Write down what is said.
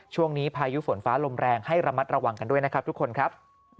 พายุฝนฟ้าลมแรงให้ระมัดระวังกันด้วยนะครับทุกคนครับ